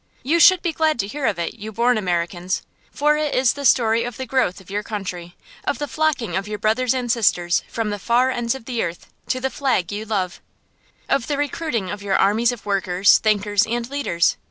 You should be glad to hear of it, you born Americans; for it is the story of the growth of your country; of the flocking of your brothers and sisters from the far ends of the earth to the flag you love; of the recruiting of your armies of workers, thinkers, and leaders.